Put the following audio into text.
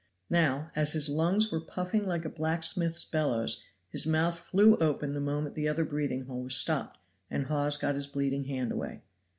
Now, as his lungs were puffing like a blacksmith's bellows, his mouth flew open the moment the other breathing hole was stopped, and Hawes got his bleeding hand away.